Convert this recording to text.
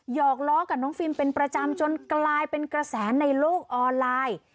อกล้อกับน้องฟิล์มเป็นประจำจนกลายเป็นกระแสในโลกออนไลน์